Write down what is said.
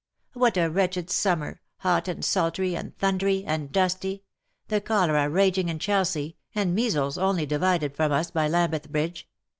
" What a wretched summer — hot_, and sultry, and thundery, and dusty — the cholera raging in Chelsea, and measles only divided from us by Lambeth Bridge